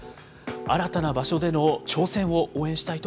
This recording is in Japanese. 新たな場所での挑戦を応援したい